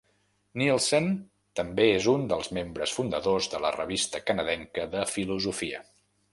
Nielsen també és un dels membres fundadors de la "Revista canadenca de Filosofia".